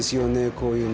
こういうの。